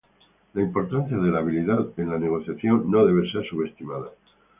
La importancia de la habilidad en la negociación no debe ser subestimada.